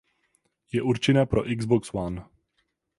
Je určena pro Xbox One.